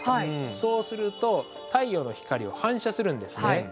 そうすると太陽の光を反射するんですね。